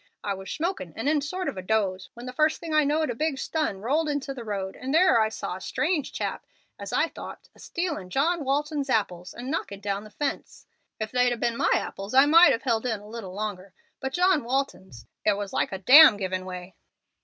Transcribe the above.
I was smokin' and in a sort of a doze, when the first thing I knowed a big stun rolled into the road, and there I saw a strange chap, as I thought, a stealin' John Walton's apples and knockin' down the fence. If they'd a been my apples I might have held in a little longer, but John Walton's it was like a dam givin' way."